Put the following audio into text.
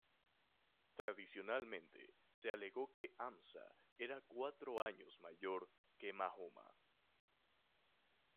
Tradicionalmente se alegó que Hamza era cuatro años mayor que Mahoma.